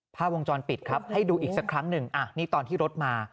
ภาพวงจรปิดครับให้ดูอีกสักครั้งหนึ่งนี่ตอนที่รถมา